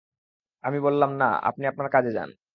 আমি বললাম না, আপনি আপনার কাজে যান।